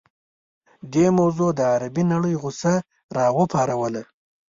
دې موضوع د عربي نړۍ غوسه راوپاروله.